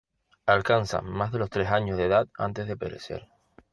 Alcanzan más de los tres años de edad antes de perecer.